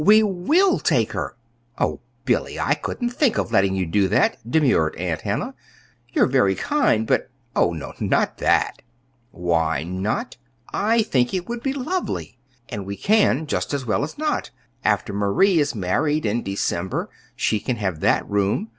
We will take her!" "Oh, Billy, I couldn't think of letting you do that," demurred Aunt Hannah. "You're very kind but, oh, no; not that!" "Why not? I think it would be lovely; and we can just as well as not. After Marie is married in December, she can have that room.